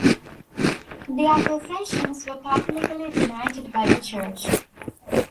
The accusations were publicly denied by the Church.